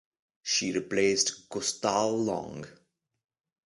She replaced Gustav Lange.